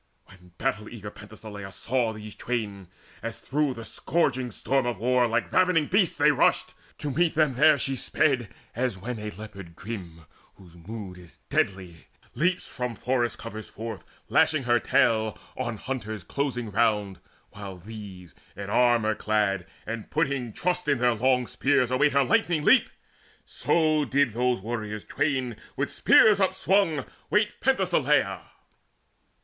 When battle eager Penthesileia saw These twain, as through the scourging storm of war Like ravening beasts they rushed, to meet them there She sped, as when a leopard grim, whose mood Is deadly, leaps from forest coverts forth, Lashing her tail, on hunters closing round, While these, in armour clad, and putting trust In their long spears, await her lightning leap; So did those warriors twain with spears upswung Wait Penthesileia.